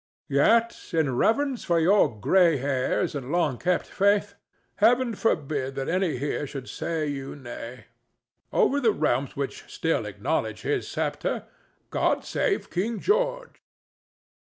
"Yet, in reverence for your gray hairs and long kept faith, Heaven forbid that any here should say you nay. Over the realms which still acknowledge his sceptre, God save King George!"